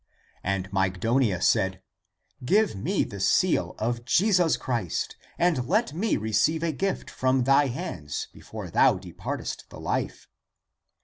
And Mygdonia said, " Give me the seal of Jesus Christ, and let me receive a gift from thy hands before thou departest the life!"